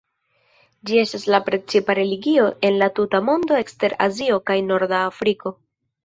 Ĝi estas la precipa religio en la tuta mondo ekster Azio kaj norda Afriko.